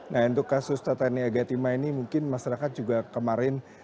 nah untuk kasus tatania gatima ini mungkin masyarakat juga kemarin